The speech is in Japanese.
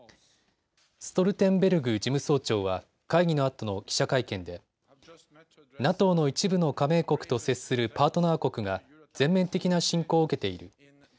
ストルテンベルグ事務総長は会議のあとの記者会見で、ＮＡＴＯの一部の加盟国と接するパートナー国が全面的な侵攻を受けている。